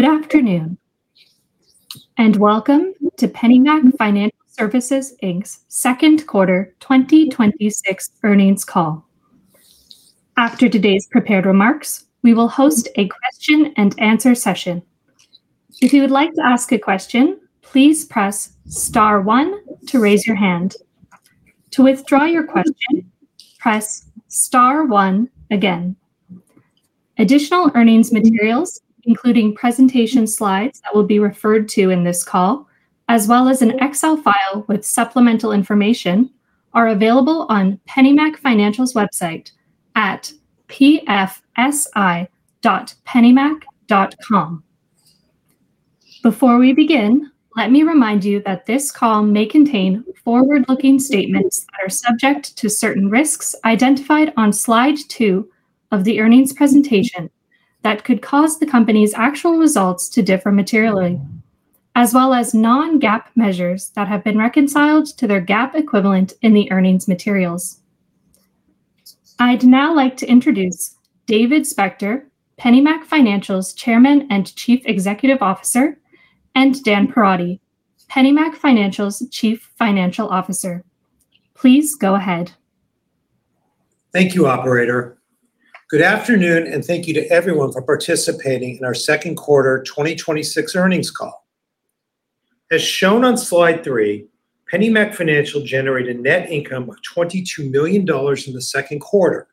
Good afternoon. Welcome to PennyMac Financial Services Inc.'s second quarter 2026 earnings call. After today's prepared remarks, we will host a question-and-answer session. If you would like to ask a question, please press star one to raise your hand. To withdraw your question, press star one again. Additional earnings materials, including presentation slides that will be referred to in this call, as well as an Excel file with supplemental information, are available on PennyMac Financial's website at pfsi.pennymac.com. Before we begin, let me remind you that this call may contain forward-looking statements that are subject to certain risks identified on slide two of the earnings presentation that could cause the company's actual results to differ materially, as well as non-GAAP measures that have been reconciled to their GAAP equivalent in the earnings materials. I'd now like to introduce David Spector, PennyMac Financial's Chairman and Chief Executive Officer, and Dan Perotti, PennyMac Financial's Chief Financial Officer. Please go ahead. Thank you, operator. Good afternoon, and thank you to everyone for participating in our second quarter 2026 earnings call. As shown on slide three, PennyMac Financial generated net income of $22 million in the second quarter,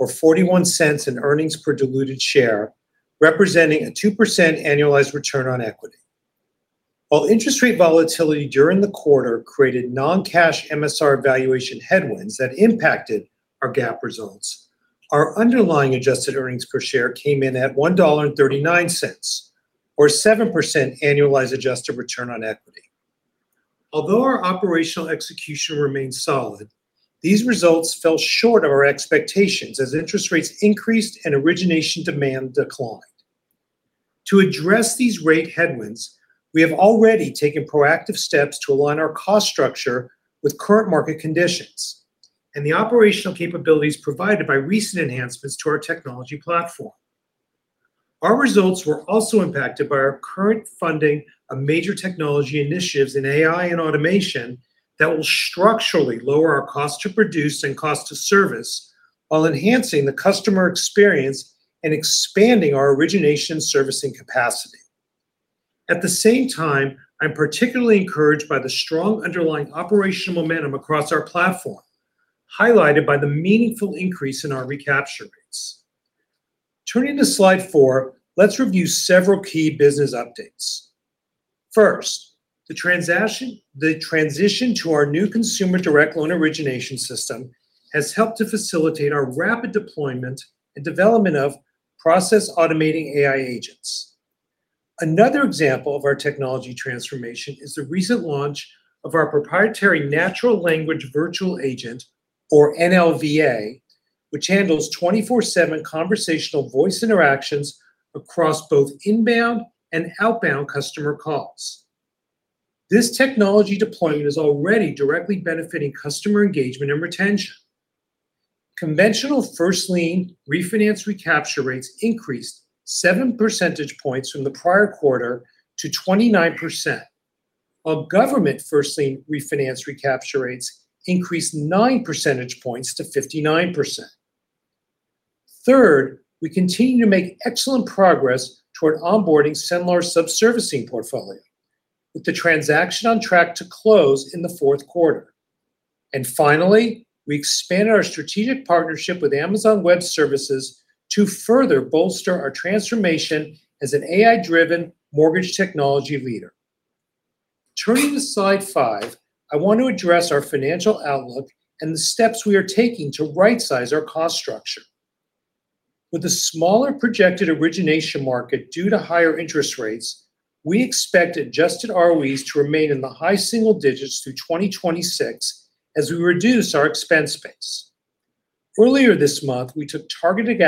or $0.41 in earnings per diluted share, representing a 2% annualized return on equity. While interest rate volatility during the quarter created non-cash MSR valuation headwinds that impacted our GAAP results, our underlying adjusted earnings per share came in at $1.39, or 7% annualized adjusted return on equity. Although our operational execution remained solid, these results fell short of our expectations as interest rates increased and origination demand declined. To address these rate headwinds, we have already taken proactive steps to align our cost structure with current market conditions and the operational capabilities provided by recent enhancements to our technology platform. Our results were also impacted by our current funding of major technology initiatives in AI and automation that will structurally lower our cost to produce and cost to service while enhancing the customer experience and expanding our origination servicing capacity. At the same time, I'm particularly encouraged by the strong underlying operational momentum across our platform, highlighted by the meaningful increase in our recapture rates. Turning to slide four, let's review several key business updates. First, the transition to our new consumer direct loan origination system has helped to facilitate our rapid deployment and development of process automating AI agents. Another example of our technology transformation is the recent launch of our proprietary natural language virtual agent, or NLVA, which handles 24/7 conversational voice interactions across both inbound and outbound customer calls. This technology deployment is already directly benefiting customer engagement and retention. Conventional first lien refinance recapture rates increased seven percentage points from the prior quarter to 29%, while government first lien refinance recapture rates increased nine percentage points to 59%. Third, we continue to make excellent progress toward onboarding Cenlar's subservicing portfolio, with the transaction on track to close in the fourth quarter. Finally, we expanded our strategic partnership with Amazon Web Services to further bolster our transformation as an AI-driven mortgage technology leader. Turning to slide five, I want to address our financial outlook and the steps we are taking to right-size our cost structure. With a smaller projected origination market due to higher interest rates, we expect adjusted ROEs to remain in the high single digits through 2026 as we reduce our expense base. Earlier this month, we took targeted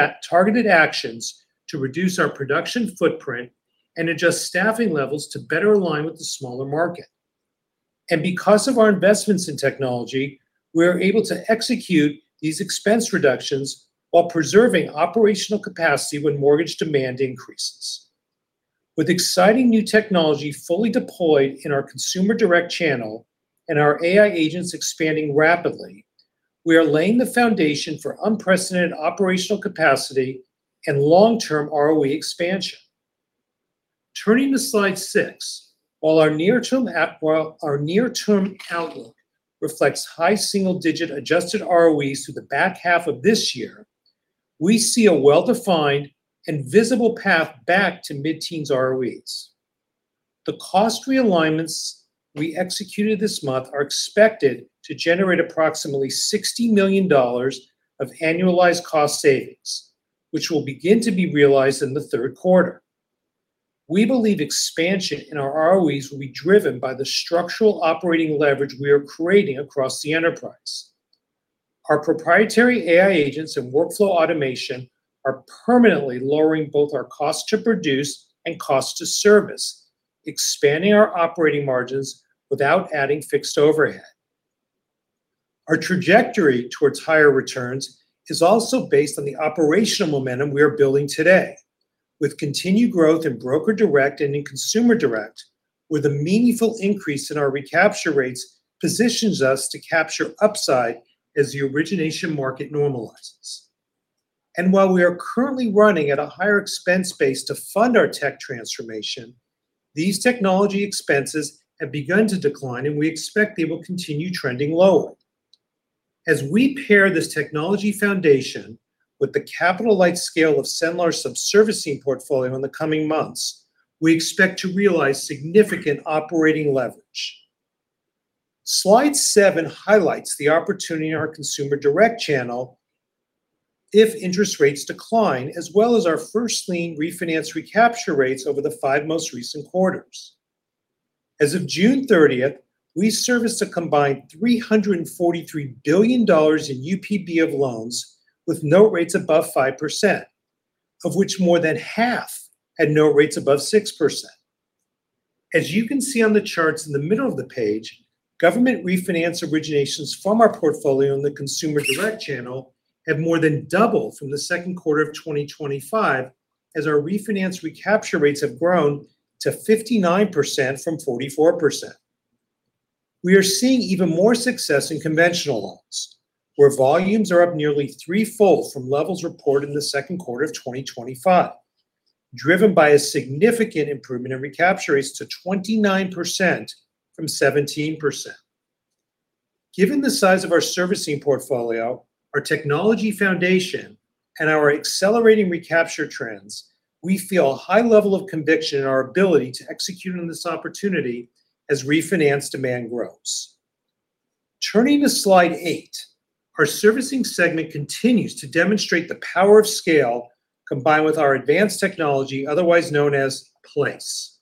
actions to reduce our production footprint and adjust staffing levels to better align with the smaller market. Because of our investments in technology, we are able to execute these expense reductions while preserving operational capacity when mortgage demand increases. With exciting new technology fully deployed in our consumer direct channel and our AI agents expanding rapidly, we are laying the foundation for unprecedented operational capacity and long-term ROE expansion. Turning to slide six, while our near-term outlook reflects high single-digit adjusted ROEs through the back half of this year, we see a well-defined and visible path back to mid-teens ROEs. The cost realignments we executed this month are expected to generate approximately $60 million of annualized cost savings, which will begin to be realized in the third quarter. We believe expansion in our ROEs will be driven by the structural operating leverage we are creating across the enterprise. Our proprietary AI agents and workflow automation are permanently lowering both our cost to produce and cost to service, expanding our operating margins without adding fixed overhead. Our trajectory towards higher returns is also based on the operational momentum we are building today with continued growth in broker direct and in consumer direct, where the meaningful increase in our recapture rates positions us to capture upside as the origination market normalizes. While we are currently running at a higher expense base to fund our tech transformation, these technology expenses have begun to decline, and we expect they will continue trending lower. As we pair this technology foundation with the capital light scale of Cenlar subservicing portfolio in the coming months, we expect to realize significant operating leverage. Slide seven highlights the opportunity in our consumer direct channel if interest rates decline, as well as our first lien refinance recapture rates over the five most recent quarters. As of June 30th, we serviced a combined $343 billion in UPB of loans with no rates above 5%, of which more than half had no rates above 6%. As you can see on the charts in the middle of the page, government refinance originations from our portfolio in the consumer direct channel have more than doubled from the second quarter of 2025, as our refinance recapture rates have grown to 59% from 44%. We are seeing even more success in conventional loans, where volumes are up nearly threefold from levels reported in the second quarter of 2025, driven by a significant improvement in recapture rates to 29% from 17%. Given the size of our servicing portfolio, our technology foundation, and our accelerating recapture trends, we feel a high level of conviction in our ability to execute on this opportunity as refinance demand grows. Turning to slide eight, our servicing segment continues to demonstrate the power of scale, combined with our advanced technology, otherwise known as PLACE.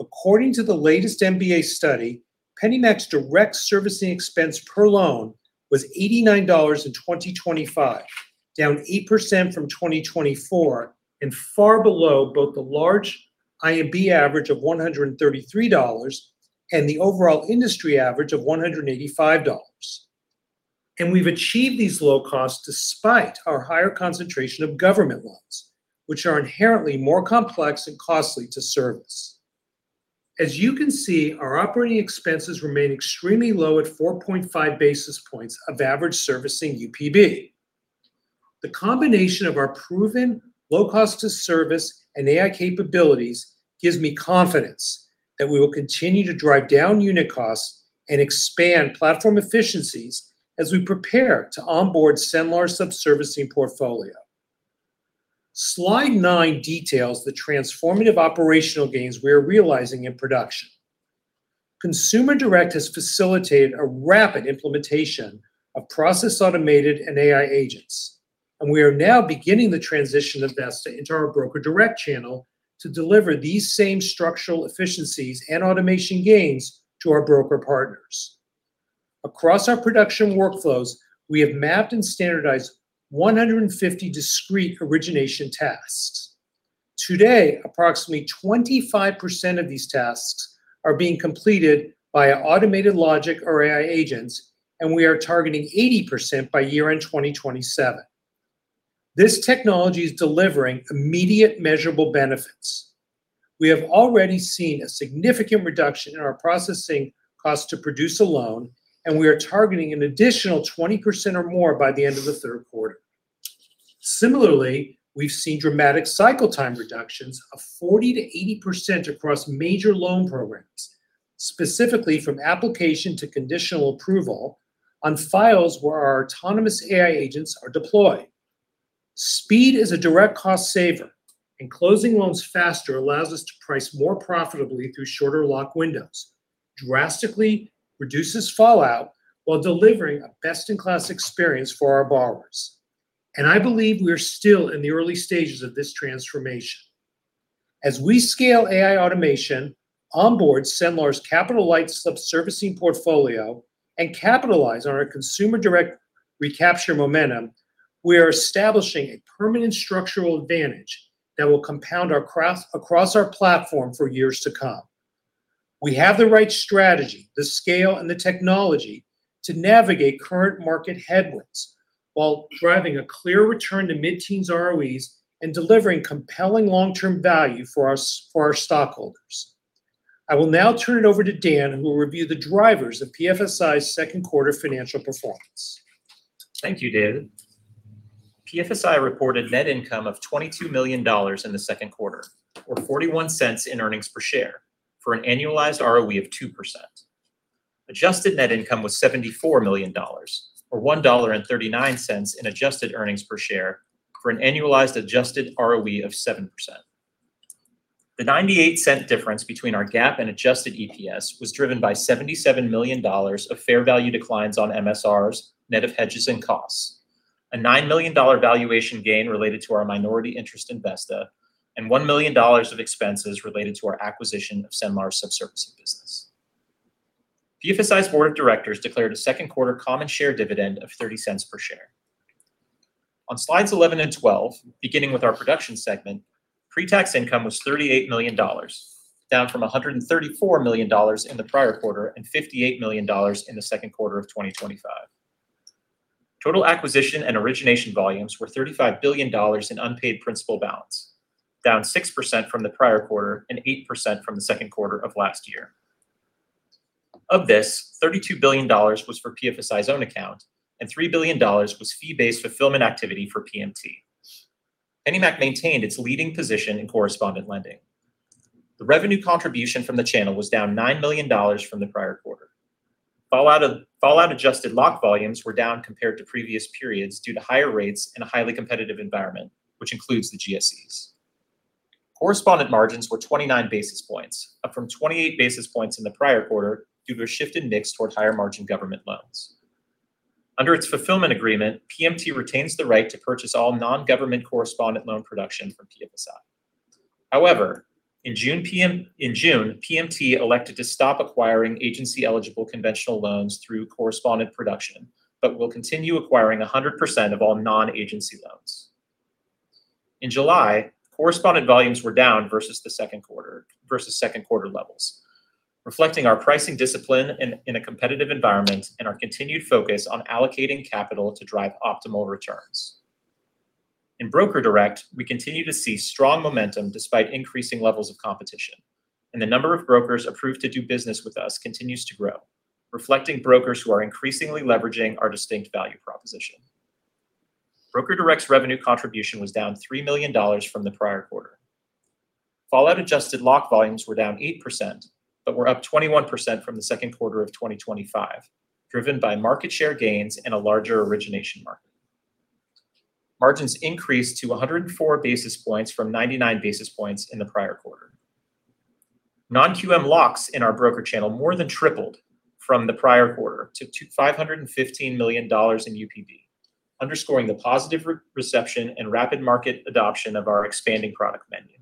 According to the latest MBA study, PennyMac's direct servicing expense per loan was $89 in 2025, down 8% from 2024, and far below both the large IMB average of $133 and the overall industry average of $185. We've achieved these low costs despite our higher concentration of government loans, which are inherently more complex and costly to service. As you can see, our operating expenses remain extremely low at 4.5 basis points of average servicing UPB. The combination of our proven low cost of service and AI capabilities gives me confidence that we will continue to drive down unit costs and expand platform efficiencies as we prepare to onboard Cenlar sub-servicing portfolio. Slide nine details the transformative operational gains we are realizing in production. Consumer direct has facilitated a rapid implementation of process automated and AI agents. We are now beginning the transition of Vesta into our broker direct channel to deliver these same structural efficiencies and automation gains to our broker partners. Across our production workflows, we have mapped and standardized 150 discrete origination tasks. Today, approximately 25% of these tasks are being completed by automated logic or AI agents, and we are targeting 80% by year-end 2027. This technology is delivering immediate measurable benefits. We have already seen a significant reduction in our processing cost to produce a loan. We are targeting an additional 20% or more by the end of the third quarter. Similarly, we've seen dramatic cycle time reductions of 40%-80% across major loan programs, specifically from application to conditional approval on files where our autonomous AI agents are deployed. Speed is a direct cost saver. Closing loans faster allows us to price more profitably through shorter lock windows, drastically reduces fallout while delivering a best-in-class experience for our borrowers. I believe we are still in the early stages of this transformation. As we scale AI automation onboard Cenlar's capital light sub-servicing portfolio and capitalize on our consumer direct recapture momentum, we are establishing a permanent structural advantage that will compound across our platform for years to come. We have the right strategy, the scale, and the technology to navigate current market headwinds while driving a clear return to mid-teens ROEs and delivering compelling long-term value for our stockholders. I will now turn it over to Dan, who will review the drivers of PFSI's second quarter financial performance. Thank you, David. PFSI reported net income of $22 million in the second quarter, or $0.41 in earnings per share, for an annualized ROE of 2%. Adjusted net income was $74 million, or $1.39 in adjusted earnings per share for an annualized adjusted ROE of 7%. The $0.98 difference between our GAAP and Adjusted EPS was driven by $77 million of fair value declines on MSRs, net of hedges and costs. A $9 million valuation gain related to our minority interest in Vesta, and $1 million of expenses related to our acquisition of Cenlar sub-servicing business. PFSI's board of directors declared a second quarter common share dividend of $0.30 per share. On Slides 11 and 12, beginning with our Production segment, pre-tax income was $38 million, down from $134 million in the prior quarter and $58 million in the second quarter of 2025. Total acquisition and origination volumes were $35 billion in unpaid principal balance, down 6% from the prior quarter and 8% from the second quarter of last year. Of this, $32 billion was for PFSI's own account and $3 billion was fee-based fulfillment activity for PMT. PennyMac maintained its leading position in correspondent lending. The revenue contribution from the channel was down $9 million from the prior quarter. Fallout adjusted lock volumes were down compared to previous periods due to higher rates and a highly competitive environment, which includes the GSEs. Correspondent margins were 29 basis points, up from 28 basis points in the prior quarter due to a shift in mix towards higher margin government loans. Under its fulfillment agreement, PMT retains the right to purchase all non-government correspondent loan production from PFSI. However, in June, PMT elected to stop acquiring agency-eligible conventional loans through correspondent production, but will continue acquiring 100% of all non-agency loans. In July, correspondent volumes were down versus second quarter levels, reflecting our pricing discipline in a competitive environment and our continued focus on allocating capital to drive optimal returns. In Broker Direct, we continue to see strong momentum despite increasing levels of competition, the number of brokers approved to do business with us continues to grow, reflecting brokers who are increasingly leveraging our distinct value proposition. Broker Direct's revenue contribution was down $3 million from the prior quarter. Fallout adjusted lock volumes were down 8%, but were up 21% from the second quarter of 2025, driven by market share gains and a larger origination market. Margins increased to 104 basis points from 99 basis points in the prior quarter. Non-QM locks in our broker channel more than tripled from the prior quarter to $515 million in UPB, underscoring the positive reception and rapid market adoption of our expanding product menu.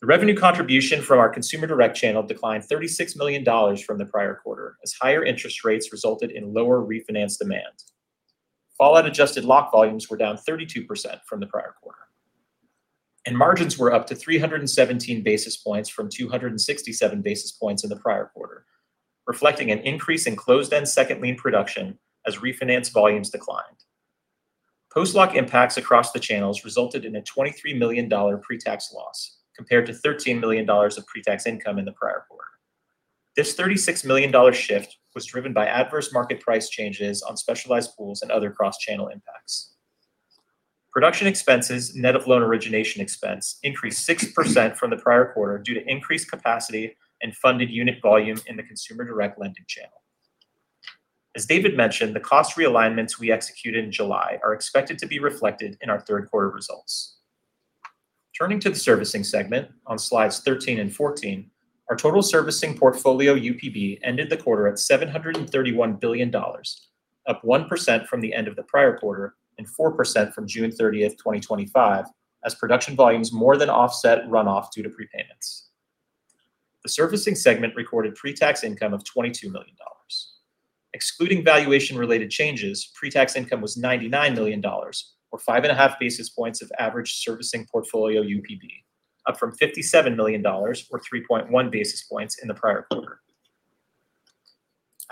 The revenue contribution from our Consumer Direct channel declined $36 million from the prior quarter as higher interest rates resulted in lower refinance demand. Fallout adjusted lock volumes were down 32% from the prior quarter, and margins were up to 317 basis points from 267 basis points in the prior quarter, reflecting an increase in closed-end second lien production as refinance volumes declined. Post-lock impacts across the channels resulted in a $23 million pre-tax loss, compared to $13 million of pre-tax income in the prior quarter. This $36 million shift was driven by adverse market price changes on specialized pools and other cross-channel impacts. Production expenses, net of loan origination expense, increased 6% from the prior quarter due to increased capacity and funded unit volume in the consumer direct lending channel. As David mentioned, the cost realignments we executed in July are expected to be reflected in our third quarter results. Turning to the Servicing segment on Slides 13 and 14, our total servicing portfolio UPB ended the quarter at $731 billion, up 1% from the end of the prior quarter and 4% from June 30th, 2025 as production volumes more than offset runoff due to prepayments. The Servicing segment recorded pre-tax income of $22 million. Excluding valuation related changes, pre-tax income was $99 million, or five and a half basis points of average servicing portfolio UPB, up from $57 million, or 3.1 basis points in the prior quarter.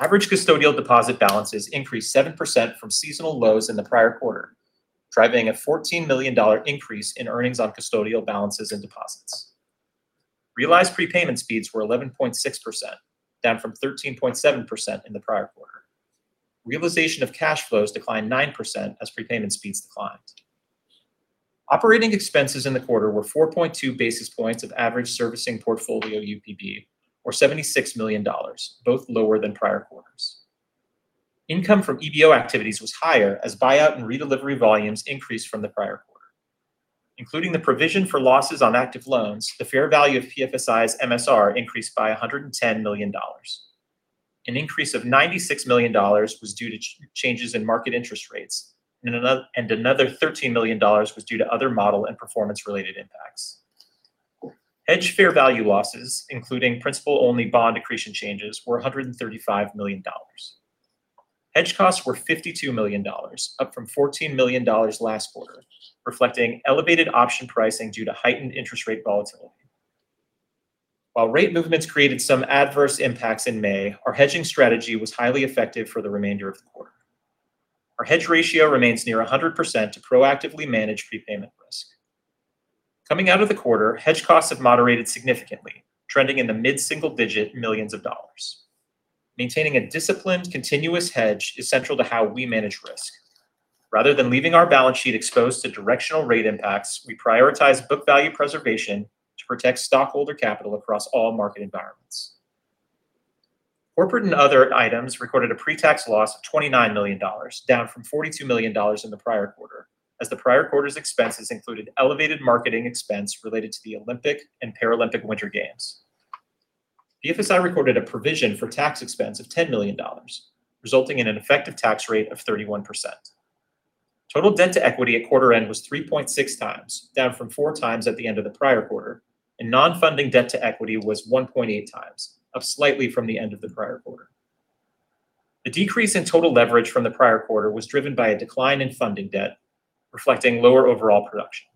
Average custodial deposit balances increased 7% from seasonal lows in the prior quarter, driving a $14 million increase in earnings on custodial balances and deposits. Realized prepayment speeds were 11.6%, down from 13.7% in the prior quarter. Realization of cash flows declined 9% as prepayment speeds declined. Operating expenses in the quarter were 4.2 basis points of average servicing portfolio UPB, or $76 million, both lower than prior quarters. Income from EBO activities was higher as buyout and redelivery volumes increased from the prior quarter. Including the provision for losses on active loans, the fair value of PFSI's MSR increased by $110 million. An increase of $96 million was due to changes in market interest rates, and another $13 million was due to other model and performance-related impacts. Hedge fair value losses, including principal-only bond accretion changes, were $135 million. Hedge costs were $52 million, up from $14 million last quarter, reflecting elevated option pricing due to heightened interest rate volatility. While rate movements created some adverse impacts in May, our hedging strategy was highly effective for the remainder of the quarter. Our hedge ratio remains near 100% to proactively manage prepayment risk. Coming out of the quarter, hedge costs have moderated significantly, trending in the mid-single digit millions of dollars. Maintaining a disciplined, continuous hedge is central to how we manage risk. Rather than leaving our balance sheet exposed to directional rate impacts, we prioritize book value preservation to protect stockholder capital across all market environments. Corporate and other items recorded a pre-tax loss of $29 million, down from $42 million in the prior quarter, as the prior quarter's expenses included elevated marketing expense related to the Olympic and Paralympic Winter Games. PFSI recorded a provision for tax expense of $10 million, resulting in an effective tax rate of 31%. Total debt to equity at quarter end was 3.6x, down from 4x at the end of the prior quarter, and non-funding debt to equity was 1.8x, up slightly from the end of the prior quarter. The decrease in total leverage from the prior quarter was driven by a decline in funding debt, reflecting lower overall production.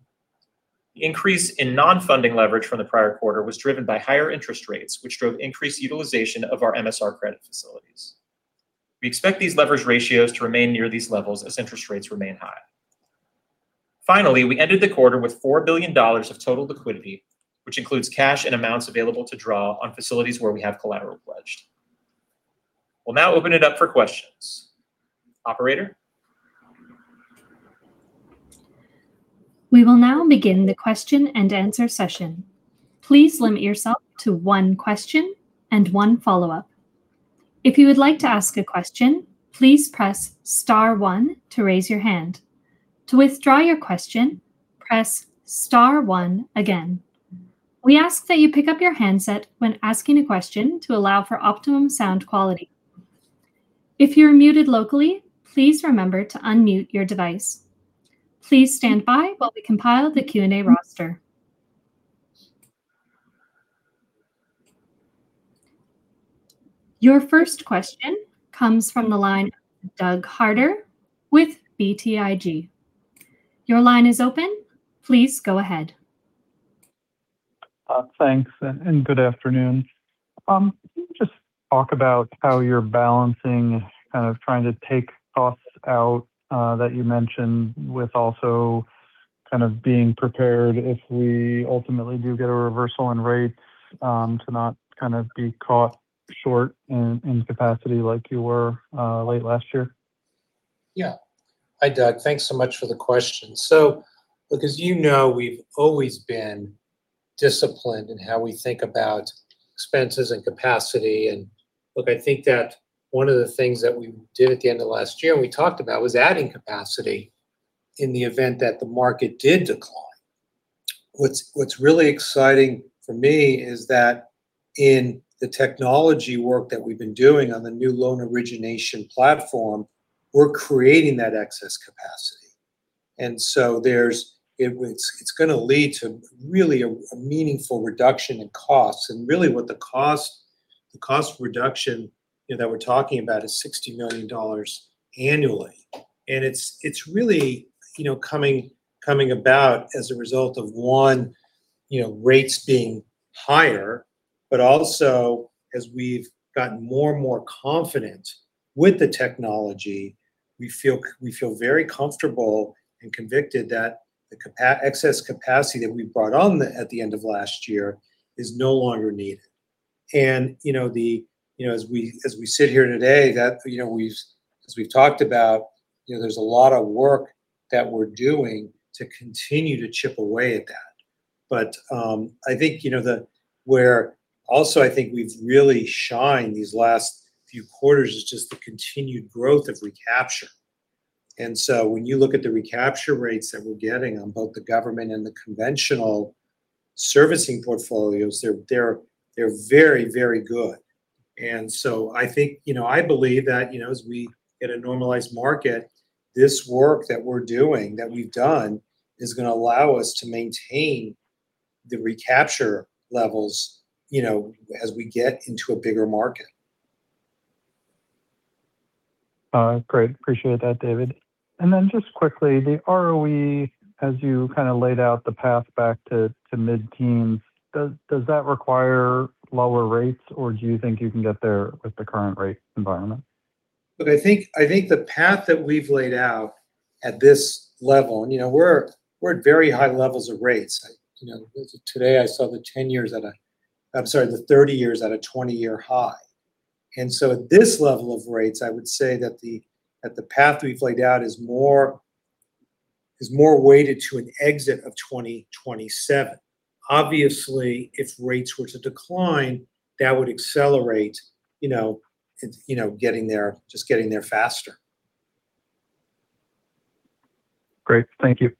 The increase in non-funding leverage from the prior quarter was driven by higher interest rates, which drove increased utilization of our MSR credit facilities. We expect these leverage ratios to remain near these levels as interest rates remain high. Finally, we ended the quarter with $4 billion of total liquidity, which includes cash and amounts available to draw on facilities where we have collateral pledged. We'll now open it up for questions. Operator? We will now begin the question-and-answer session. Please limit yourself to one question and one follow-up. If you would like to ask a question, please press star one to raise your hand. To withdraw your question, press star one again. We ask that you pick up your handset when asking a question to allow for optimum sound quality. If you're muted locally, please remember to unmute your device. Please stand by while we compile the Q&A roster. Your first question comes from the line, Doug Harter with BTIG. Your line is open. Please go ahead. Thanks, and good afternoon. Can you just talk about how you're balancing kind of trying to take costs out that you mentioned with also kind of being prepared if we ultimately do get a reversal in rates to not kind of be caught short in capacity like you were late last year? Yeah. Hi, Doug. Thanks so much for the question. Look, as you know, we've always been disciplined in how we think about expenses and capacity. Look, I think that one of the things that we did at the end of last year and we talked about was adding capacity in the event that the market did decline. What's really exciting for me is that in the technology work that we've been doing on the new loan origination platform, we're creating that excess capacity. It's going to lead to really a meaningful reduction in costs. Really what the cost reduction that we're talking about is $60 million annually. It's really coming about as a result of, one, rates being higher, also as we've gotten more and more confident with the technology, we feel very comfortable and convicted that the excess capacity that we brought on at the end of last year is no longer needed. As we sit here today, as we've talked about, there's a lot of work that we're doing to continue to chip away at that. I think where also I think we've really shined these last few quarters is just the continued growth of recapture. When you look at the recapture rates that we're getting on both the government and the conventional servicing portfolios, they're very good. I believe that as we get a normalized market, this work that we're doing, that we've done, is going to allow us to maintain the recapture levels as we get into a bigger market. Great. Appreciate that, David. Just quickly, the ROE, as you kind of laid out the path back to mid-teens, does that require lower rates or do you think you can get there with the current rate environment? Look, I think the path that we've laid out at this level, we're at very high levels of rates. Today I saw the 10 years at a-- I'm sorry, the 30 years at a 20-year high. At this level of rates, I would say that the path we've laid out is more weighted to an exit of 2027. Obviously, if rates were to decline, that would accelerate just getting there faster. Great. Thank you.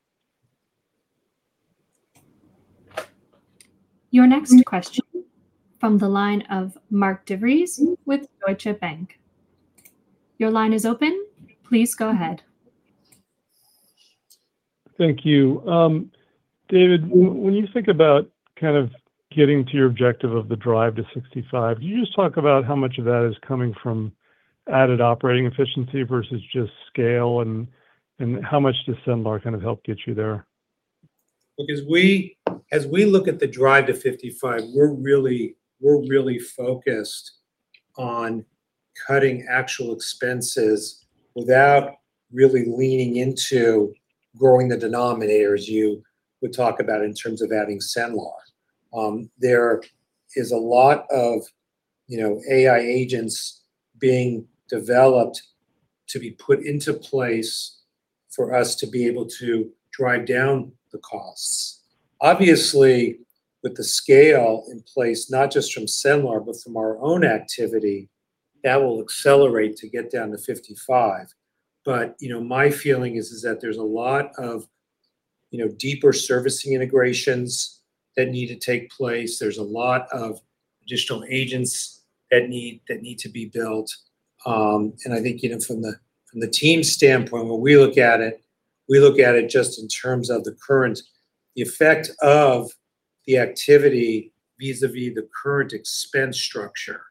Your next question from the line of Mark DeVries with Deutsche Bank. Your line is open. Please go ahead. Thank you. David, when you think about kind of getting to your objective of the drive to 55, can you just talk about how much of that is coming from added operating efficiency versus just scale, and how much does Cenlar kind of help get you there? Look, as we look at the drive to 55, we're really focused on cutting actual expenses without really leaning into growing the denominators you would talk about in terms of adding Cenlar. There is a lot of AI agents being developed to be put into place for us to be able to drive down the costs. Obviously, with the scale in place, not just from Cenlar, but from our own activity, that will accelerate to get down to 55. My feeling is that there's a lot of deeper servicing integrations that need to take place. There's a lot of additional agents that need to be built. I think from the team's standpoint, when we look at it We look at it just in terms of the current effect of the activity vis-a-vis the current expense structure,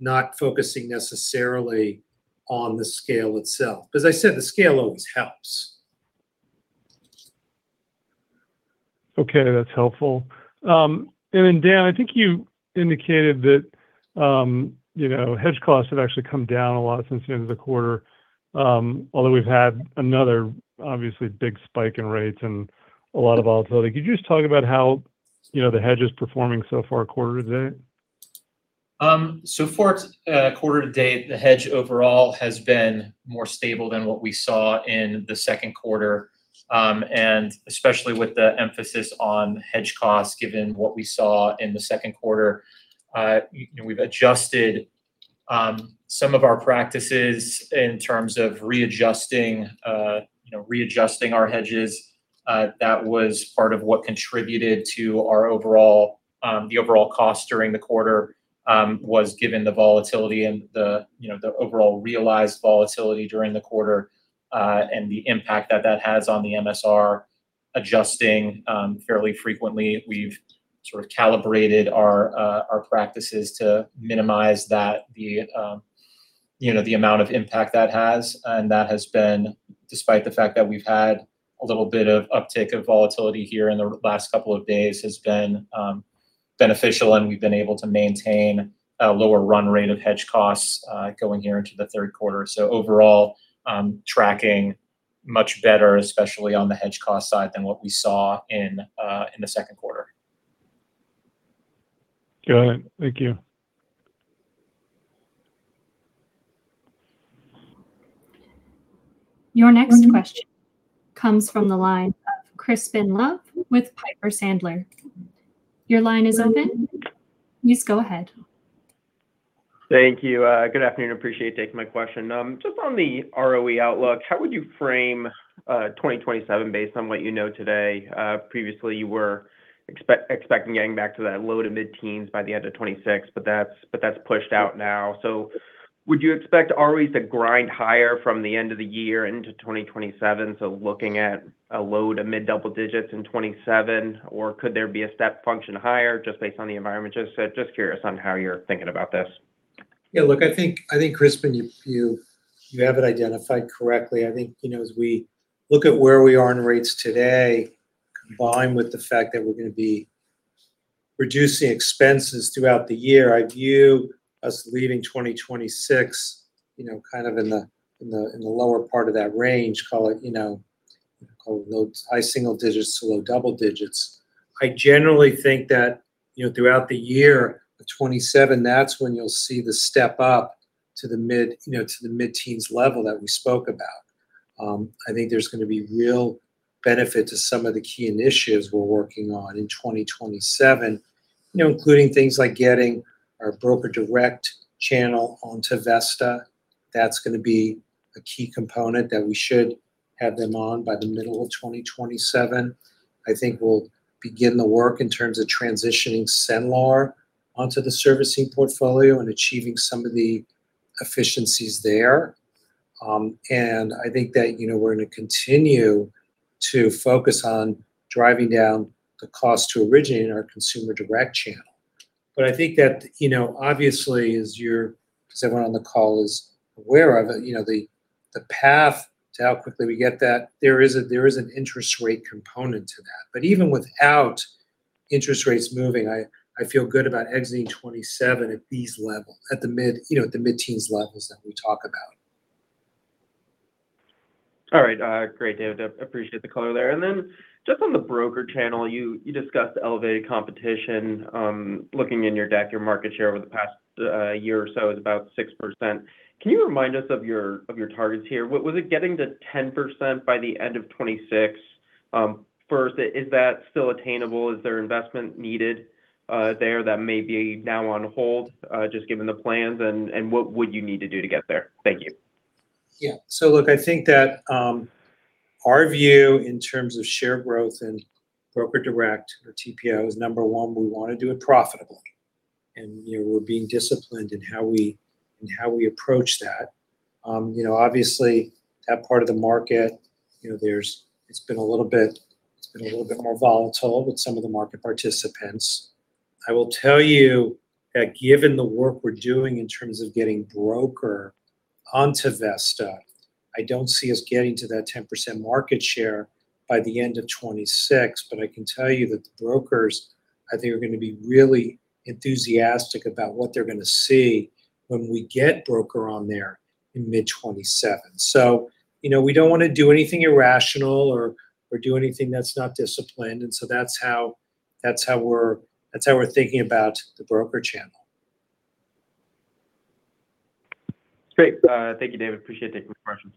not focusing necessarily on the scale itself. As I said, the scale always helps. Okay, that's helpful. Dan, I think you indicated that hedge costs have actually come down a lot since the end of the quarter, although we've had another obviously big spike in rates and a lot of volatility. Could you just talk about how the hedge is performing so far quarter-to-date? Far quarter-to-date, the hedge overall has been more stable than what we saw in the second quarter, and especially with the emphasis on hedge costs given what we saw in the second quarter. We've adjusted some of our practices in terms of readjusting our hedges. That was part of what contributed to the overall cost during the quarter was given the volatility and the overall realized volatility during the quarter, and the impact that that has on the MSR adjusting fairly frequently. We've sort of calibrated our practices to minimize the amount of impact that has. That has been despite the fact that we've had a little bit of uptick of volatility here in the last couple of days, has been beneficial, and we've been able to maintain a lower run-rate of hedge costs going here into the third quarter. Overall, tracking much better, especially on the hedge cost side, than what we saw in the second quarter. Go ahead. Thank you. Your next question comes from the line of Crispin Love with Piper Sandler. Your line is open. Please go ahead. Thank you. Good afternoon. Appreciate you taking my question. On the ROE outlook, how would you frame 2027 based on what you know today? Previously you were expecting getting back to that low to mid-teens by the end of 2026, that's pushed out now. Would you expect ROEs to grind higher from the end of the year into 2027? Looking at a low to mid double digits in 2027, or could there be a step function higher just based on the environment you just said? Just curious on how you're thinking about this. Yeah, look, I think Crispin you have it identified correctly. I think, as we look at where we are in rates today, combined with the fact that we're going to be reducing expenses throughout the year, I view us leaving 2026 kind of in the lower part of that range, call it high single digits to low double digits. I generally think that throughout the year of 2027, that's when you'll see the step up to the mid-teens level that we spoke about. I think there's going to be real benefit to some of the key initiatives we're working on in 2027. Including things like getting our broker direct channel onto Vesta. That's going to be a key component that we should have them on by the middle of 2027. I think we'll begin the work in terms of transitioning Cenlar onto the servicing portfolio and achieving some of the efficiencies there. I think that we're going to continue to focus on driving down the cost to originate in our consumer direct channel. I think that, obviously as everyone on the call is aware of, the path to how quickly we get that, there is an interest rate component to that. Even without interest rates moving, I feel good about exiting 2027 at these levels, at the mid-teens levels that we talk about. Great, David. I appreciate the color there. Just on the broker channel, you discussed the elevated competition. Looking in your deck, your market share over the past year or so is about 6%. Can you remind us of your targets here? Was it getting to 10% by the end of 2026? First, is that still attainable? Is there investment needed there that may be now on hold just given the plans, and what would you need to do to get there? Thank you. Yeah. Look, I think that our view in terms of share growth and broker direct or TPOs, number one, we want to do it profitably. We're being disciplined in how we approach that. Obviously that part of the market, it's been a little bit more volatile with some of the market participants. I will tell you that given the work we're doing in terms of getting broker onto Vesta, I don't see us getting to that 10% market share by the end of 2026. I can tell you that the brokers, I think, are going to be really enthusiastic about what they're going to see when we get broker on there in mid 2027. We don't want to do anything irrational or do anything that's not disciplined, that's how we're thinking about the broker channel. Great. Thank you, David. Appreciate you taking the questions.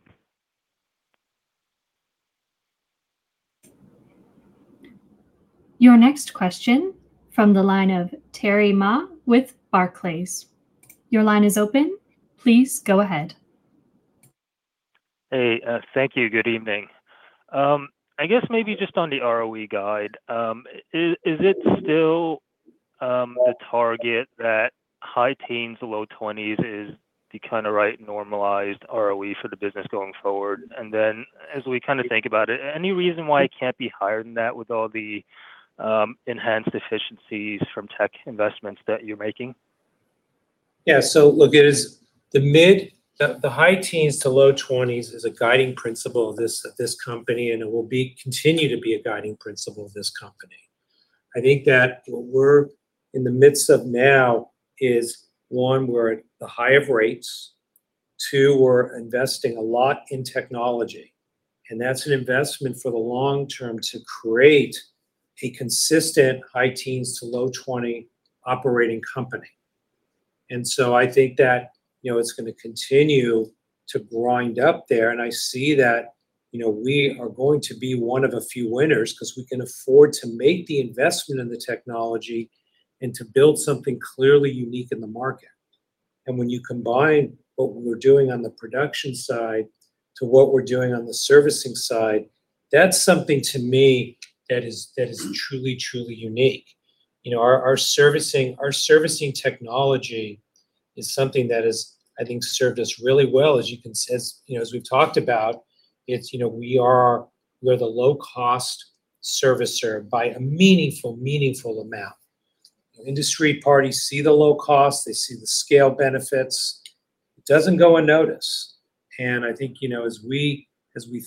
Your next question from the line of Terry Ma with Barclays. Your line is open. Please go ahead. Hey, thank you. Good evening. I guess maybe just on the ROE guide. Is it still? Is the target that high teens to low 20s the kind of right normalized ROE for the business going forward? As we kind of think about it, any reason why it can't be higher than that with all the enhanced efficiencies from tech investments that you're making? Yeah. Look, the high teens to low 20s is a guiding principle of this company. It will continue to be a guiding principle of this company. I think that what we're in the midst of now is, one, we're at the high of rates. Two, we're investing a lot in technology, and that's an investment for the long term to create a consistent high teens to low 20 operating company. I think that it's going to continue to grind up there, I see that we are going to be one of a few winners because we can afford to make the investment in the technology and to build something clearly unique in the market. When you combine what we're doing on the production side to what we're doing on the servicing side, that's something to me that is truly unique. Our servicing technology is something that has, I think, served us really well. As we've talked about, we're the low-cost servicer by a meaningful amount. Industry parties see the low cost, they see the scale benefits. It doesn't go unnoticed. I think, as we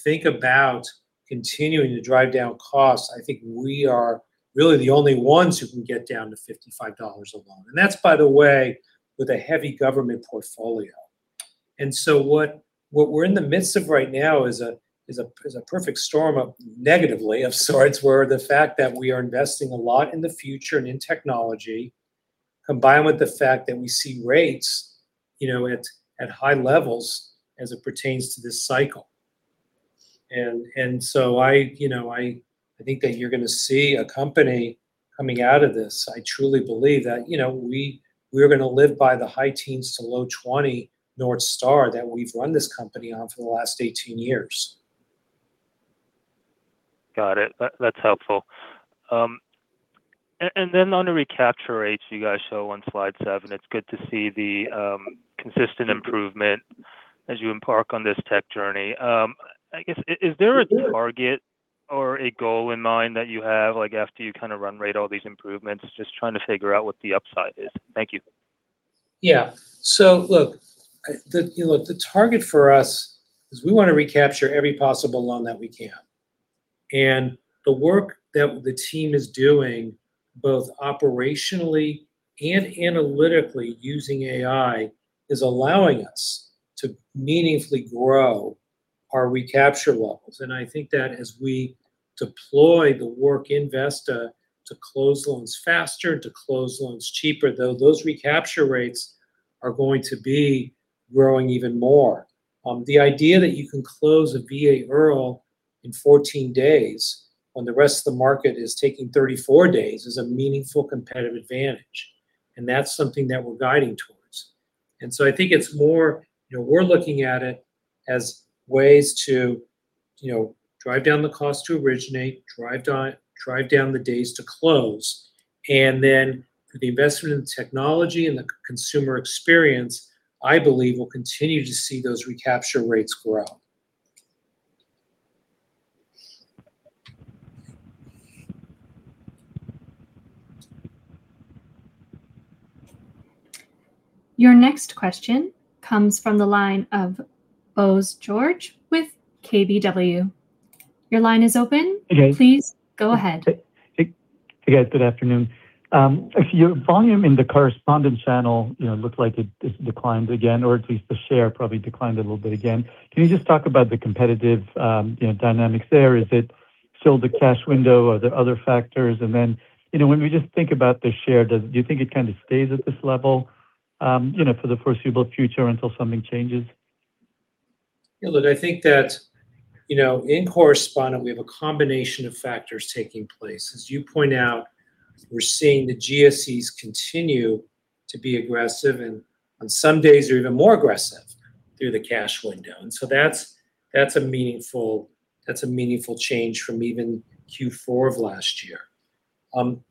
think about continuing to drive down costs, I think we are really the only ones who can get down to $55 a loan. That's, by the way, with a heavy government portfolio. What we're in the midst of right now is a perfect storm of negatively of sorts, where the fact that we are investing a lot in the future and in technology, combined with the fact that we see rates at high levels as it pertains to this cycle. I think that you're going to see a company coming out of this. I truly believe that we are going to live by the high teens to low 20 North Star that we've run this company on for the last 18 years. Got it. That's helpful. On the recapture rates you guys show on slide seven, it's good to see the consistent improvement as you embark on this tech journey. I guess, is there a target or a goal in mind that you have, after you kind of run-rate all these improvements, just trying to figure out what the upside is. Thank you. Look, the target for us is we want to recapture every possible loan that we can. The work that the team is doing, both operationally and analytically using AI, is allowing us to meaningfully grow our recapture levels. I think that as we deploy the work in Vesta to close loans faster, to close loans cheaper, those recapture rates are going to be growing even more. The idea that you can close a VA IRRRL in 14 days when the rest of the market is taking 34 days is a meaningful competitive advantage, and that's something that we're guiding towards. I think we're looking at it as ways to drive down the cost to originate, drive down the days to close, and then the investment in technology and the consumer experience, I believe, we'll continue to see those recapture rates grow. Your next question comes from the line of Bose George with KBW. Your line is open. Hey, guys. Please go ahead. Hey, guys. Good afternoon. Your volume in the correspondent channel looks like it declined again, or at least the share probably declined a little bit again. Can you just talk about the competitive dynamics there? Is it still the cash window? Are there other factors? Then, when we just think about the share, do you think it kind of stays at this level for the foreseeable future until something changes? Look, I think that in correspondent, we have a combination of factors taking place. As you point out, we're seeing the GSEs continue to be aggressive, and on some days, they're even more aggressive through the cash window. So that's a meaningful change from even Q4 of last year.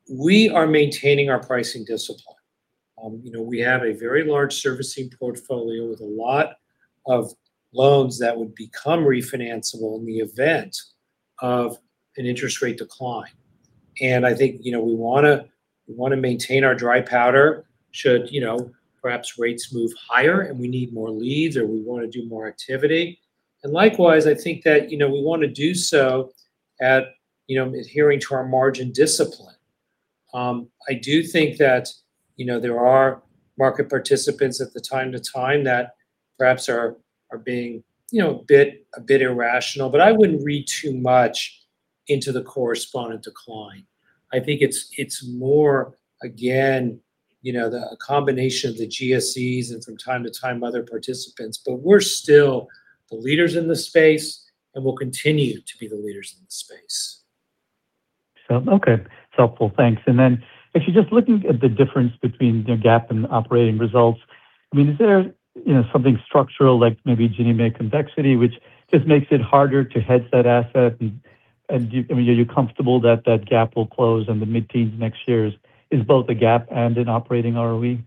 We are maintaining our pricing discipline. We have a very large servicing portfolio with a lot of loans that would become refinanceable in the event of an interest rate decline. I think we want to maintain our dry powder should perhaps rates move higher and we need more leads, or we want to do more activity. Likewise, I think that we want to do so adhering to our margin discipline. I do think that there are market participants at the time to time that perhaps are being a bit irrational. I wouldn't read too much into the correspondent decline. I think it's more, again, the combination of the GSEs and from time to time, other participants. We're still the leaders in this space, and we'll continue to be the leaders in this space. Okay. It's helpful. Thanks. Actually, just looking at the difference between the GAAP and operating results, is there something structural like maybe Ginnie Mae convexity, which just makes it harder to hedge that asset? Are you comfortable that that gap will close in the mid-teens next year is both a GAAP and an operating ROE?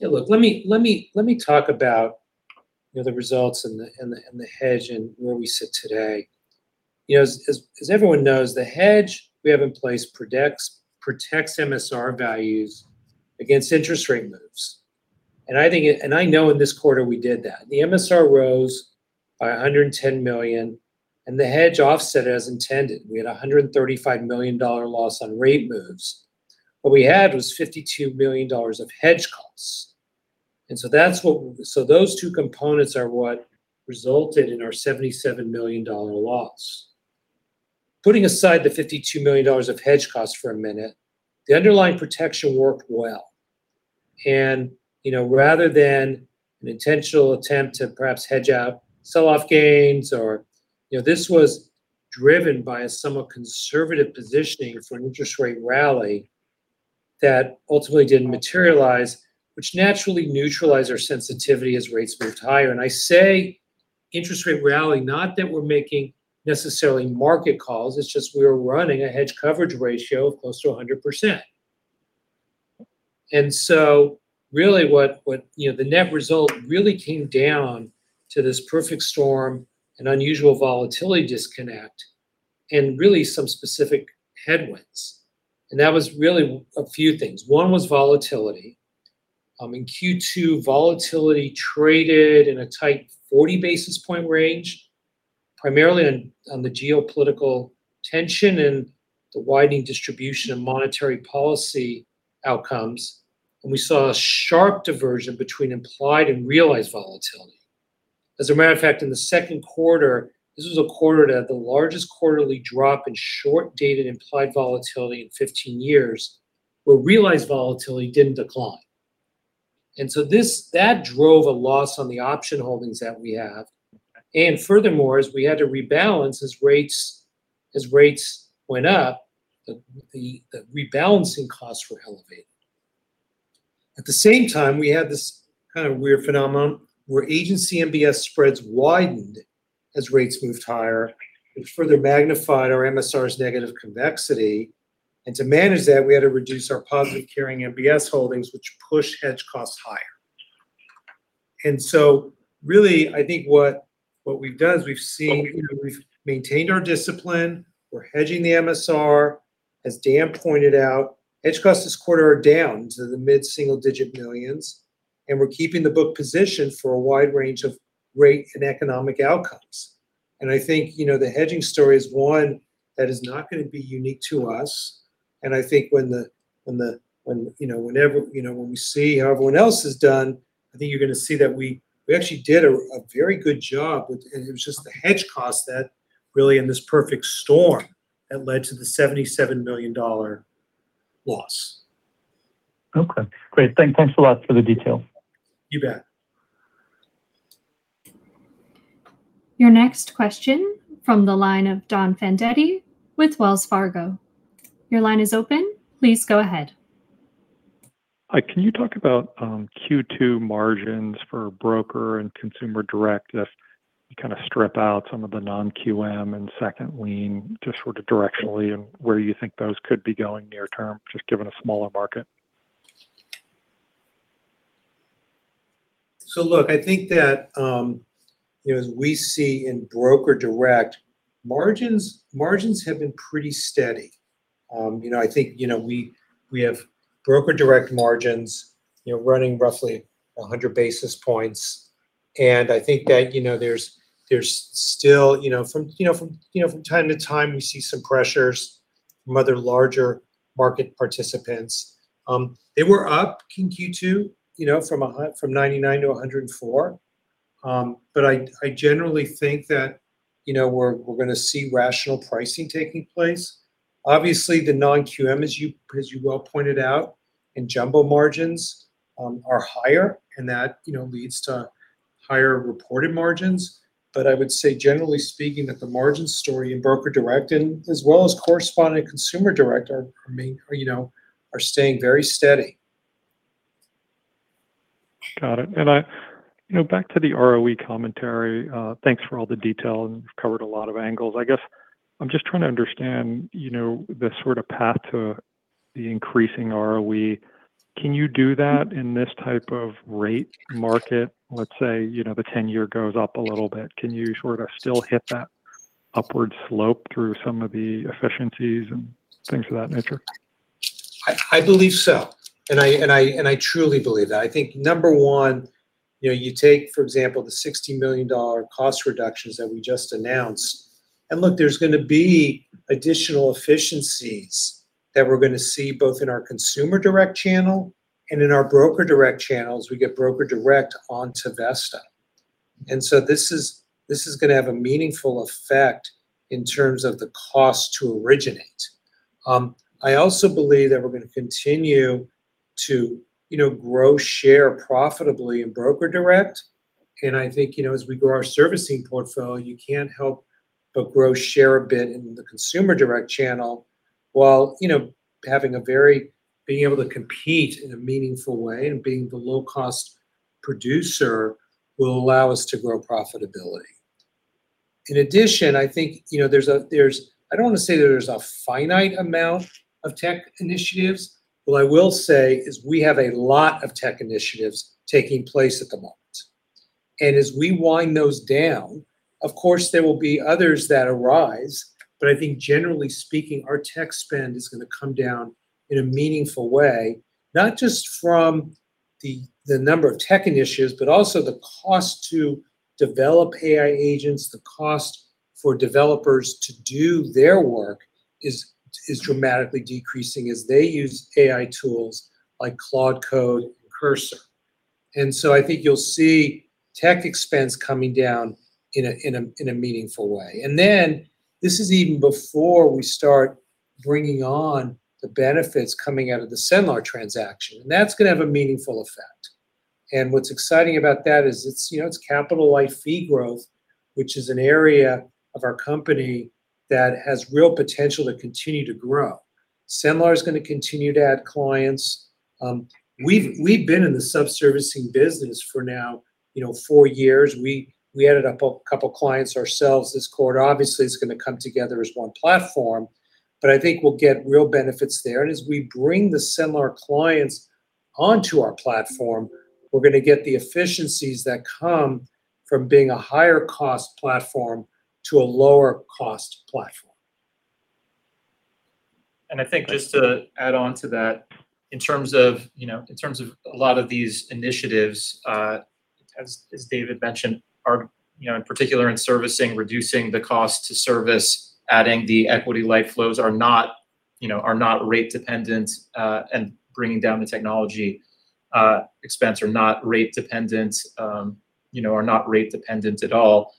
Yeah. Look, let me talk about the results and the hedge and where we sit today. As everyone knows, the hedge we have in place protects MSR values against interest rate moves. I know in this quarter we did that. The MSR rose by $110 million. The hedge offset as intended. We had $135 million loss on rate moves. What we had was $52 million of hedge costs. Those two components are what resulted in our $77 million loss. Putting aside the $52 million of hedge costs for a minute, the underlying protection worked well. Rather than an intentional attempt to perhaps hedge out, sell off gains. This was driven by a somewhat conservative positioning for an interest rate rally that ultimately didn't materialize, which naturally neutralized our sensitivity as rates moved higher. I say interest rate rally, not that we're making necessarily market calls, it's just we're running a hedge coverage ratio of close to 100%. Really, the net result really came down to this perfect storm and unusual volatility disconnect and really some specific headwinds. That was really a few things. One was volatility. In Q2, volatility traded in a tight 40-basis point range, primarily on the geopolitical tension and the widening distribution of monetary policy outcomes. We saw a sharp diversion between implied and realized volatility. As a matter of fact, in the second quarter, this was a quarter that the largest quarterly drop in short-dated implied volatility in 15 years, where realized volatility didn't decline. That drove a loss on the option holdings that we have. Furthermore, as we had to rebalance as rates went up, the rebalancing costs were elevated. At the same time, we had this kind of weird phenomenon where agency MBS spreads widened as rates moved higher, which further magnified our MSR's negative convexity. To manage that, we had to reduce our positive carrying MBS holdings, which pushed hedge costs higher. Really, I think what we've done is we've maintained our discipline. We're hedging the MSR. As Dan pointed out, hedge costs this quarter are down to the mid-single digit millions, and we're keeping the book positioned for a wide range of rate and economic outcomes. I think the hedging story is one that is not going to be unique to us. I think when we see how everyone else has done, I think you're going to see that we actually did a very good job with it. It was just the hedge cost that really in this perfect storm that led to the $77 million loss. Okay, great. Thanks a lot for the details. You bet. Your next question from the line of Don Fandetti with Wells Fargo. Your line is open. Please go ahead. Hi. Can you talk about Q2 margins for broker and consumer direct if you kind of strip out some of the Non-QM and second lien, just sort of directionally, and where you think those could be going near term, just given a smaller market? Look, I think that as we see in broker direct, margins have been pretty steady. I think we have broker direct margins running roughly 100 basis points. I think that there's still from time to time, we see some pressures from other larger market participants. They were up in Q2 from 99-104. I generally think that we're going to see rational pricing taking place. Obviously, the Non-QM, as you well pointed out, and jumbo margins are higher, and that leads to higher reported margins. I would say, generally speaking, that the margin story in broker direct and as well as correspondent consumer direct are staying very steady. Got it. Back to the ROE commentary. Thanks for all the detail, and you've covered a lot of angles. I guess I'm just trying to understand the sort of path to the increasing ROE. Can you do that in this type of rate market? Let's say the 10-year goes up a little bit. Can you sort of still hit that upward slope through some of the efficiencies and things of that nature? I believe so. I truly believe that. I think number one, you take, for example, the $60 million cost reductions that we just announced. Look, there's going to be additional efficiencies that we're going to see both in our consumer direct channel and in our broker direct channels. We get broker direct onto Vesta. This is going to have a meaningful effect in terms of the cost to originate. I also believe that we're going to continue to grow share profitably in broker direct. I think, as we grow our servicing portfolio, you can't help but grow share a bit in the consumer direct channel. While being able to compete in a meaningful way and being the low-cost producer will allow us to grow profitability. In addition, I don't want to say that there's a finite amount of tech initiatives. What I will say is we have a lot of tech initiatives taking place at the moment. As we wind those down, of course, there will be others that arise. I think generally speaking, our tech spend is going to come down in a meaningful way, not just from the number of tech initiatives, but also the cost to develop AI agents. The cost for developers to do their work is dramatically decreasing as they use AI tools like Claude Code and Cursor. I think you'll see tech expense coming down in a meaningful way. This is even before we start bringing on the benefits coming out of the Cenlar transaction, and that's going to have a meaningful effect. What's exciting about that is it's capital-light fee growth, which is an area of our company that has real potential to continue to grow. Cenlar is going to continue to add clients. We've been in the sub-servicing business for now four years. We added a couple clients ourselves this quarter. Obviously, it's going to come together as one platform, but I think we'll get real benefits there. As we bring the Cenlar clients onto our platform, we're going to get the efficiencies that come from being a higher-cost platform to a lower-cost platform. I think just to add on to that, in terms of a lot of these initiatives, as David mentioned, in particular in servicing, reducing the cost to service, adding the equity-like flows are not rate-dependent. Bringing down the technology expense are not rate-dependent at all.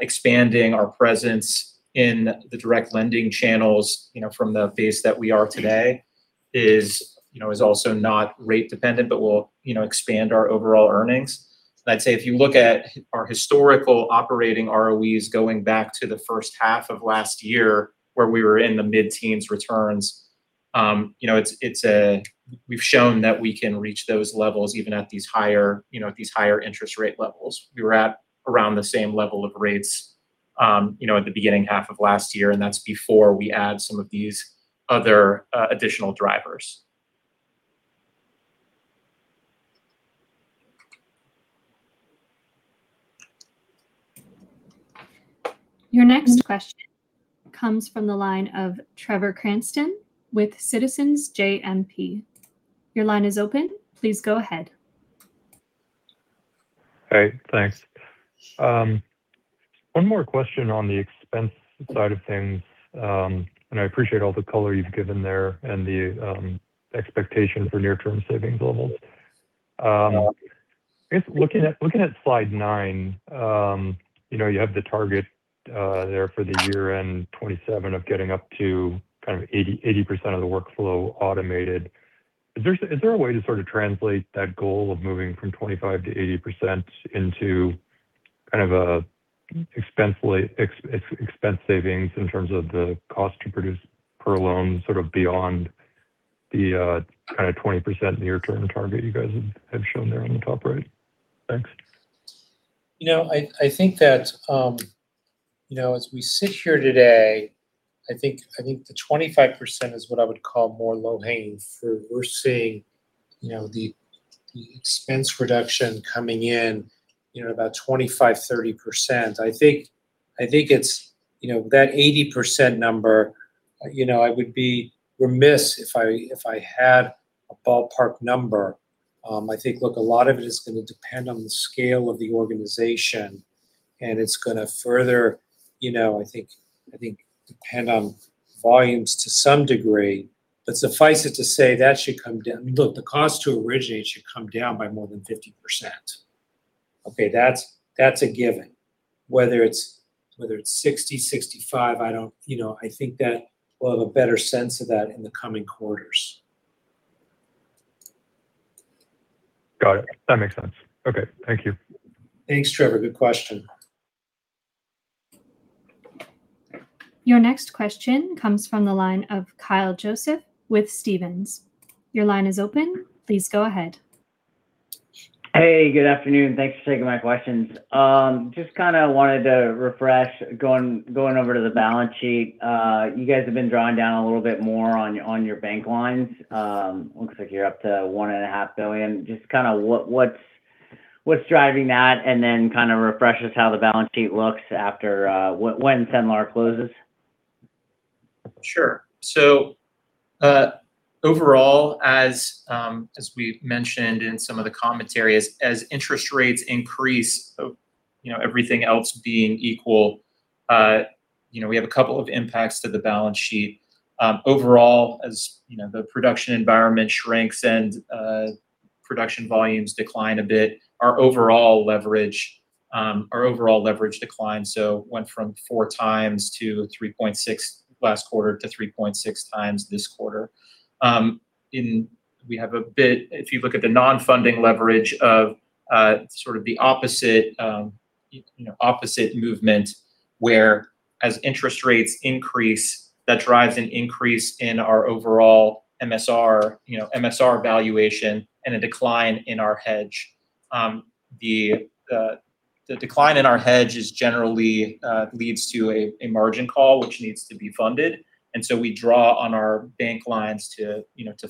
Expanding our presence in the direct lending channels from the base that we are today is also not rate-dependent, but will expand our overall earnings. I'd say if you look at our historical operating ROEs going back to the first half of last year where we were in the mid-teens returns, we've shown that we can reach those levels even at these higher interest rate levels. We were at around the same level of rates at the beginning half of last year, and that's before we add some of these other additional drivers. Your next question comes from the line of Trevor Cranston with Citizens JMP. Your line is open. Please go ahead. Hey, thanks. One more question on the expense side of things. I appreciate all the color you've given there and the expectation for near-term savings levels. I guess looking at slide nine, you have the target there for the year-end 2027 of getting up to 80% of the workflow automated. Is there a way to translate that goal of moving from 25%-80% into expense savings in terms of the cost to produce per loan beyond the 20% near-term target you guys have shown there on the top right? Thanks. As we sit here today, I think the 25% is what I would call more low-hanging fruit. We're seeing the expense reduction coming in about 25%, 30%. I think it's that 80% number, I would be remiss if I had a ballpark number. I think, look, a lot of it is going to depend on the scale of the organization, and it's going to further, I think, depend on volumes to some degree. Suffice it to say that should come down. Look, the cost to originate should come down by more than 50%. Okay, that's a given. Whether it's 60%, 65%, I think that we'll have a better sense of that in the coming quarters. Got it. That makes sense. Okay. Thank you. Thanks, Trevor. Good question. Your next question comes from the line of Kyle Joseph with Stephens. Your line is open. Please go ahead. Hey, good afternoon. Thanks for taking my questions. Wanted to refresh, going over to the balance sheet. You guys have been drawing down a little bit more on your bank lines. Looks like you're up to $1.5 billion. What's driving that? Refresh us how the balance sheet looks when Cenlar closes. Sure. Overall, as we've mentioned in some of the commentary, as interest rates increase, everything else being equal, we have a couple of impacts to the balance sheet. Overall, as the production environment shrinks and production volumes decline a bit, our overall leverage declines. Went from 4x-3.6x last quarter to 3.6x this quarter. If you look at the non-funding leverage of sort of the opposite movement where as interest rates increase, that drives an increase in our overall MSR valuation and a decline in our hedge. The decline in our hedge generally leads to a margin call, which needs to be funded. We draw on our bank lines to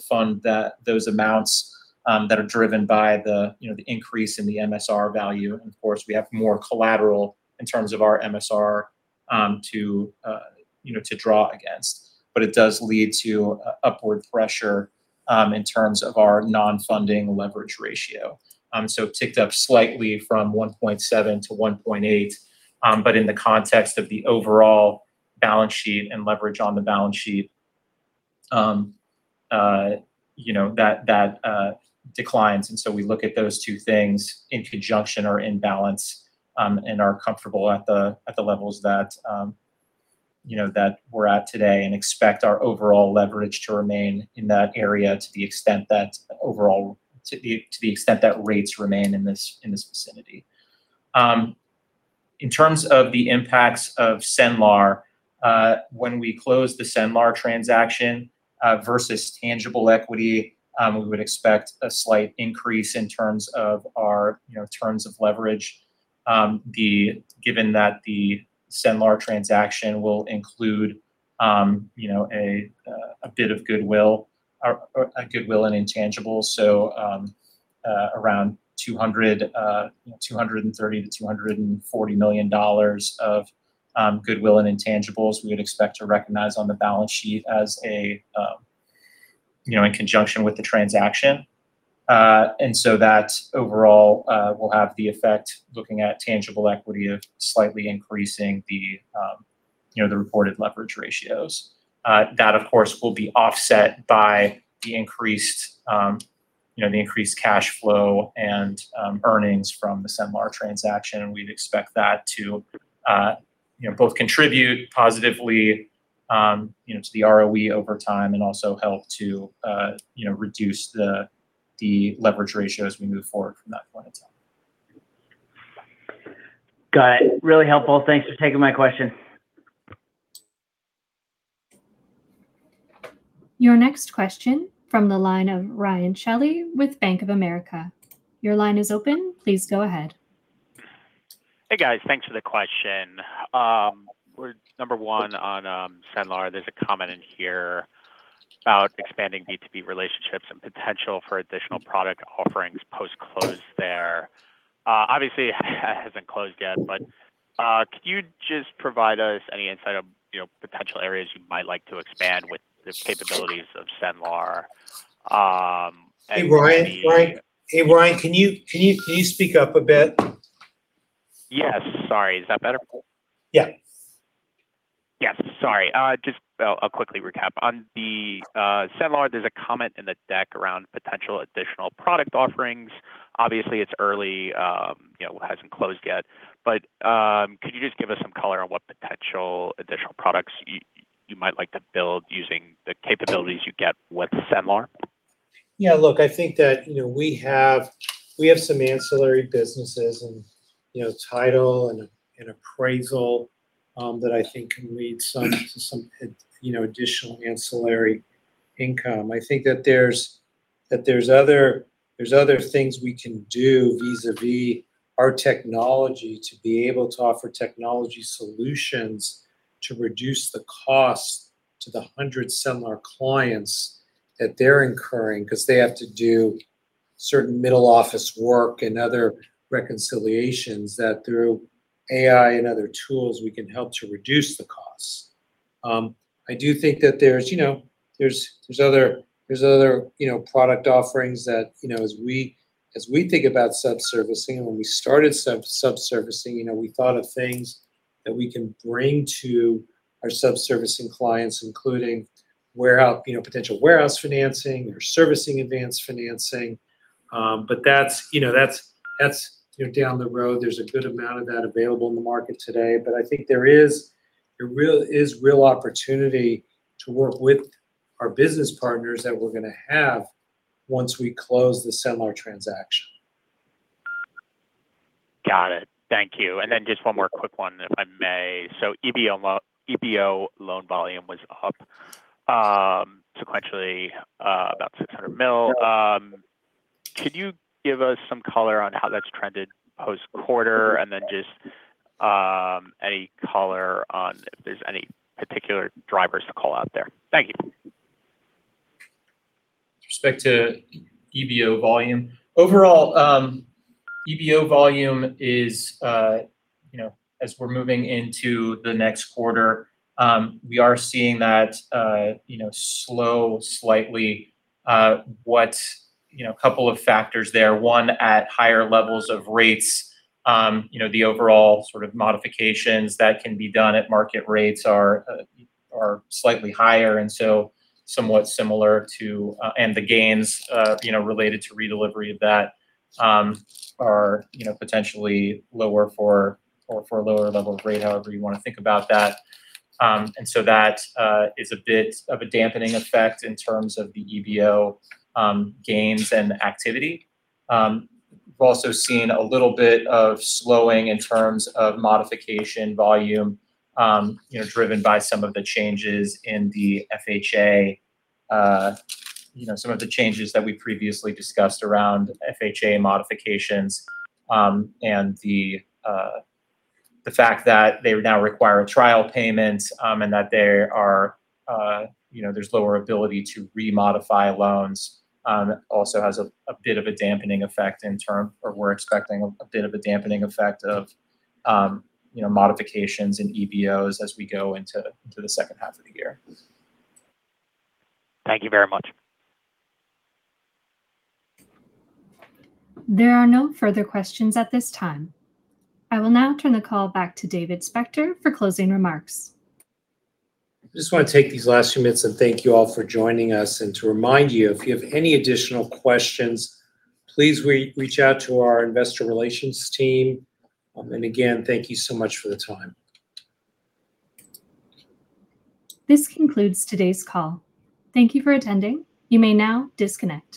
fund those amounts that are driven by the increase in the MSR value. Of course, we have more collateral in terms of our MSR to draw against. It does lead to upward pressure in terms of our non-funding leverage ratio. It ticked up slightly from 1.7-1.8, but in the context of the overall balance sheet and leverage on the balance sheet that declines. We look at those two things in conjunction or in balance and are comfortable at the levels that we're at today and expect our overall leverage to remain in that area to the extent that rates remain in this vicinity. In terms of the impacts of Cenlar, when we close the Cenlar transaction versus tangible equity, we would expect a slight increase in terms of our terms of leverage. Given that the Cenlar transaction will include a bit of goodwill and intangibles. Around $200 million, $230 million-$240 million of goodwill and intangibles we would expect to recognize on the balance sheet in conjunction with the transaction. That overall will have the effect, looking at tangible equity, of slightly increasing the reported leverage ratios. That, of course, will be offset by the increased cash flow and earnings from the Cenlar transaction. We'd expect that to both contribute positively to the ROE over time and also help to reduce the leverage ratio as we move forward from that point in time. Got it. Really helpful. Thanks for taking my question. Your next question from the line of Ryan Shelley with Bank of America. Your line is open. Please go ahead. Hey, guys. Thanks for the question. Number one on Cenlar, there's a comment in here about expanding B2B relationships and potential for additional product offerings post-close there. Obviously hasn't closed yet, but could you just provide us any insight of potential areas you might like to expand with the capabilities of Cenlar? Hey, Ryan. Can you speak up a bit? Yes. Sorry, is that better? Yeah. Yes. Sorry. Just I'll quickly recap. On the Cenlar, there's a comment in the deck around potential additional product offerings. Obviously, it's early, it hasn't closed yet. Could you just give us some color on what potential additional products you might like to build using the capabilities you get with Cenlar? Yeah, look, I think that we have some ancillary businesses in title and appraisal that I think can lead some to some additional ancillary income. I think that there's other things we can do vis-a-vis our technology to be able to offer technology solutions to reduce the cost to the 100 Cenlar clients that they're incurring because they have to do certain middle-office work and other reconciliations that through AI and other tools, we can help to reduce the costs. I do think that there's other product offerings that as we think about sub-servicing and when we started sub-servicing, we thought of things that we can bring to our sub-servicing clients including potential warehouse financing or servicing advanced financing. That's down the road. There's a good amount of that available in the market today. I think there is real opportunity to work with our business partners that we're going to have once we close the Cenlar transaction. Got it. Thank you. Just one more quick one, if I may. EBO loan volume was up sequentially about $600 million. Can you give us some color on how that's trended post-quarter and then just any color on if there's any particular drivers to call out there? Thank you. With respect to EBO volume. Overall, EBO volume is as we're moving into the next quarter, we are seeing that slow slightly. What a couple of factors there. One, at higher levels of rates the overall sort of modifications that can be done at market rates are slightly higher, and the gains related to redelivery of that are potentially lower for a lower level of rate, however you want to think about that. That is a bit of a dampening effect in terms of the EBO gains and activity. We've also seen a little bit of slowing in terms of modification volume driven by some of the changes in the FHA. Some of the changes that we previously discussed around FHA modifications and the fact that they now require a trial payment and that there's lower ability to remodify loans also has a bit of a dampening effect, or we're expecting a bit of a dampening effect of modifications in EBOs as we go into the second half of the year. Thank you very much. There are no further questions at this time. I will now turn the call back to David Spector for closing remarks. I just want to take these last few minutes and thank you all for joining us, and to remind you, if you have any additional questions, please reach out to our investor relations team. Again, thank you so much for the time. This concludes today's call. Thank you for attending. You may now disconnect.